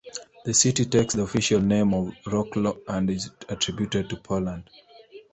The city takes the official name of Wroclaw and is attributed to Poland.